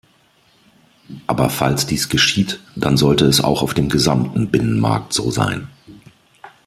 Aber falls dies geschieht, dann sollte es auf dem gesamten Binnenmarkt so sein.